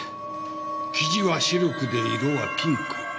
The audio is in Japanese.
生地はシルクで色はピンク。